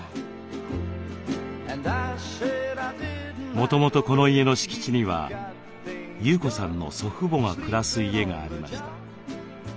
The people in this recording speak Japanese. もともとこの家の敷地には優子さんの祖父母が暮らす家がありました。